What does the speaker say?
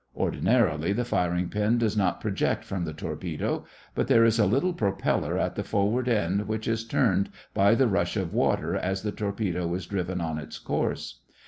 Ordinarily, the firing pin does not project from the torpedo, but there is a little propeller at the forward end which is turned by the rush of water as the torpedo is driven on its course.